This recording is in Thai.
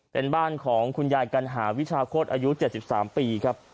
เป็นบ้านของคุณยายกัณหาวิชาโคตรอายุ๗๓ปีครับ